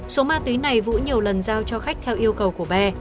số ma tuy này vũ nhiều lần giao cho khách theo yêu cầu của bé